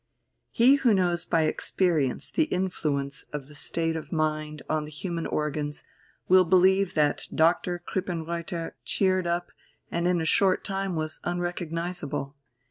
He who knows by experience the influence of the state of mind on the human organs will believe that Dr. Krippenreuther cheered up and in a short time was unrecognizable.